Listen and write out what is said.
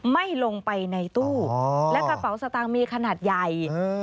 ไม่ลงไปในตู้และกระเป๋าสตางค์มีขนาดใหญ่